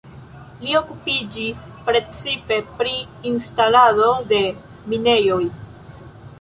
Li okupiĝis precipe pri instalado de minejoj.